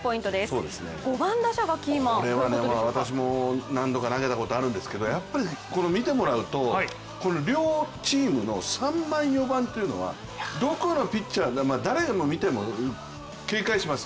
私も何度か投げたことあるんですけど見てもらうと、両チームの３番、４番というのはどこのピッチャー、誰が見ても警戒します。